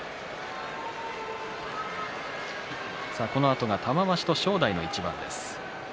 このあとは玉鷲と正代の一番です。